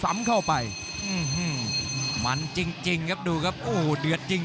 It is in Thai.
รับทราบบรรดาศักดิ์